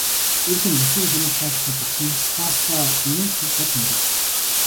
Эр хүн бүсгүй хүнийг хайрлахдаа дотносохоосоо өмнө түр зуур хөндийрдөг.